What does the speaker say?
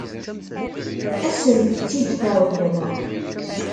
Ad asent-tt-id-tawiḍ?